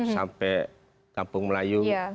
sampai kampung melayu